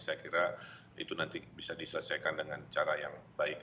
saya kira itu nanti bisa diselesaikan dengan cara yang baik